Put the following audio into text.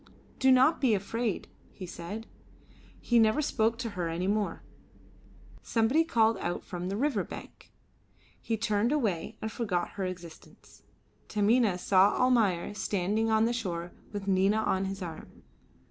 "Do not be afraid," he said. He never spoke to her any more. Somebody called out from the river bank; he turned away and forgot her existence. Taminah saw Almayer standing on the shore with Nina on his arm.